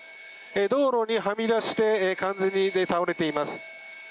道路にはみ出して完全に倒れています。